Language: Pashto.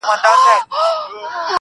اروا مي مستانه لکه منصور دی د ژوند,